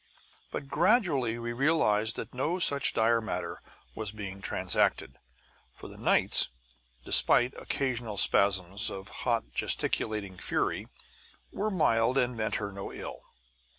But gradually we realized that no such dire matter was being transacted, for the knights, despite occasional spasms of hot gesticulating fury, were mild and meant her no ill.